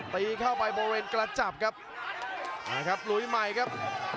ตีเข้าไปโบเรนกระจับครับหลุยใหม่ครับ